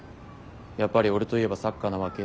「やっぱり俺といえばサッカーなわけ？」